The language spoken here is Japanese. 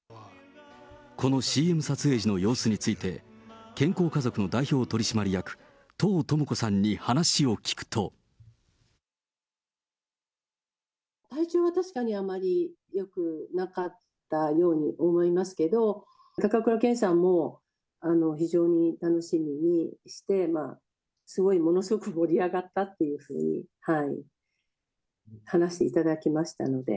このＣＭ撮影時の様子について、健康家族の代表取締役、体調は確かにあんまりよくなかったように思いますけど、高倉健さんも、非常に楽しみにして、ものすごく盛り上がったっていうふうに話していただきましたので。